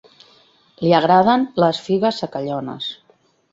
Li agraden les figues secallones.